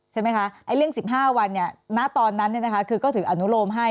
ใช่ไหมคะเรื่อง๑๕วันณตอนนั้นคือก็ถืออนุโลมให้